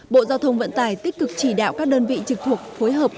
bộ giao thông vận tải tích cực chỉ đạo các đơn vị trực thuộc phối hợp